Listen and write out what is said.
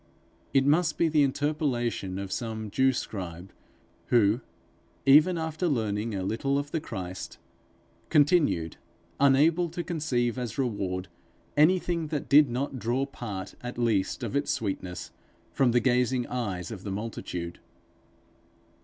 It must be the interpolation of some Jew scribe, who, even after learning a little of the Christ, continued unable to conceive as reward anything that did not draw part at least of its sweetness from the gazing eyes of the multitude.